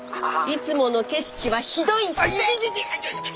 いつもの景色はひどいって？